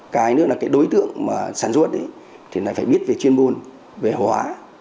cái nữa là cái đối tượng mà sản xuất thì phải biết về chuyên môn về hóa